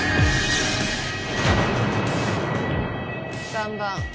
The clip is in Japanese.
３番。